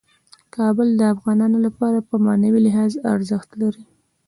کابل د افغانانو لپاره په معنوي لحاظ ارزښت لري.